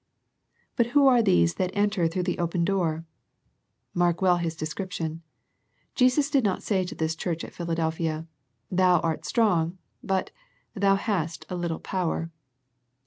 But who are these that enter through the open door ? Mark well His description. Jesus did not say to this church at Philadelphia, Thou art strong, but " Thou hast a little power."